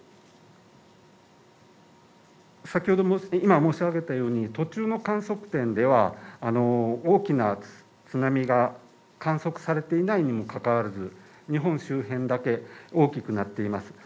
先ほど今申し上げたように途中の観測点では大きな津波が観測されていないにもかかわらず日本周辺だけ大きくなっています